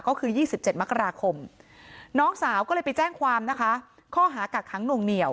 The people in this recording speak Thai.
ก็คือ๒๗มกราคมน้องสาวก็เลยไปแจ้งความนะคะข้อหากักขังหน่วงเหนียว